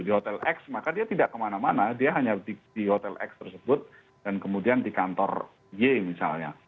di hotel x maka dia tidak kemana mana dia hanya di hotel x tersebut dan kemudian di kantor y misalnya